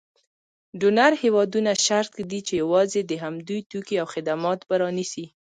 ډونر هېوادونه شرط ږدي چې یوازې د همدوی توکي او خدمات به رانیسي.